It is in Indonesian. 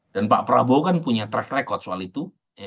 dan pak prabowo kan punya track record soal itu